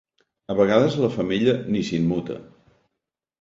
A vegades, la femella ni s'immuta.